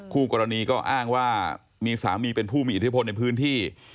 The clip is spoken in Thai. คู่กรณีก็อ้างว่ามีสามีเป็นผู้มีอิทธิพลในพื้นที่